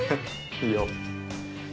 いいよ。